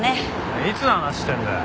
いつの話してんだよ。